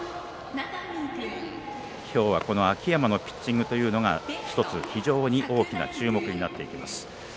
きょうは秋山のピッチングというのが１つ、非常に大きな注目になっていきます。